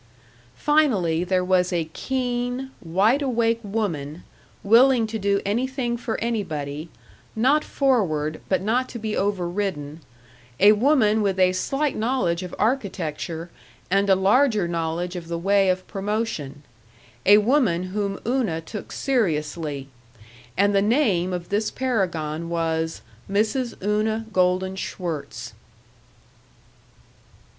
Finally, there was a keen, wide awake woman, willing to do anything for anybody, not forward, but not to be overridden a woman with a slight knowledge of architecture and a larger knowledge of the way of promotion; a woman whom Una took seriously; and the name of this paragon was Mrs. Una Golden Schwirtz.